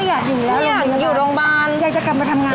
อยากอยู่โรงพยาบาลอยากจะกลับมาทำงาน